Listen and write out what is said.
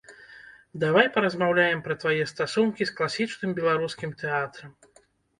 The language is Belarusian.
Давай паразмаўляем пра твае стасункі з класічным беларускім тэатрам.